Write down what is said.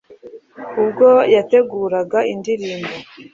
ubwo yateguraga indirimbo